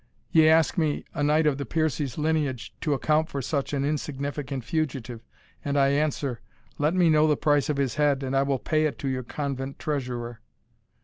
Ye ask me, a knight of the Piercie's lineage, to account for such an insignificant fugitive, and I answer, let me know the price of his head, and I will pay it to your convent treasurer."